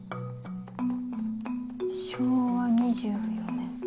昭和２４年。